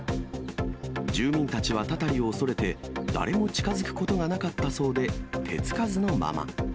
住民たちはたたりを恐れて、誰も近づくことがなかったそうで、手付かずのまま。